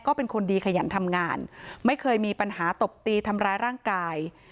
ก็เป็นคนดีขยันทำงานไม่เคยมีปัญหาตบตีทำร้ายร่างกาย